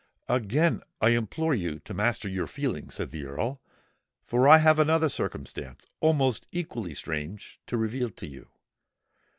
"Again I implore you to master your feelings," said the Earl; "for I have another circumstance, almost equally strange, to reveal to you.